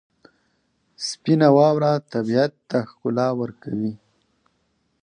سپینه واوره طبیعت ته ښکلا ورکوي.